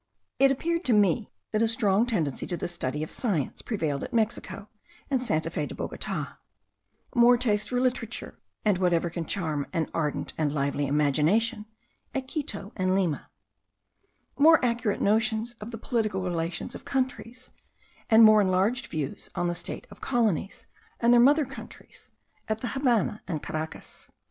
It appeared to me, that a strong tendency to the study of science prevailed at Mexico and Santa Fe de Bogota; more taste for literature, and whatever can charm an ardent and lively imagination, at Quito and Lima; more accurate notions of the political relations of countries, and more enlarged views on the state of colonies and their mother countries, at the Havannah and Caracas.